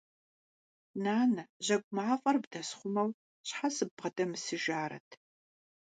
Нанэ, жьэгу мафӀэр бдэсхъумэу щхьэ сыббгъэдэмысыжарэт?!